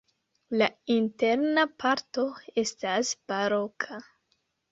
La interna parto estas baroka.